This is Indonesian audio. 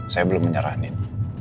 saya belum menyerah nin